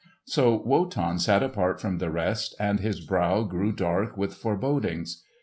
So Wotan sat apart from the rest, and his brow grew dark with forebodings.